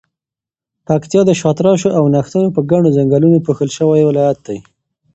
پکتیا د شاتراشو او نښترو په ګڼو ځنګلونو پوښل شوی ولایت دی.